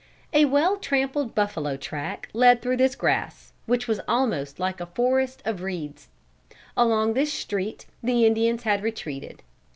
A well trampled buffalo track led through this grass, which was almost like a forest of reeds. Along this "street" the Indians had retreated.